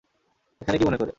এখানে কী মনে করে?